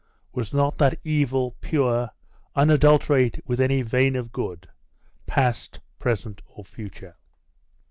was not that evil pure, unadulterate with any vein of good, past, present, or future?...